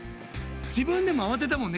自分でも慌てたもんね。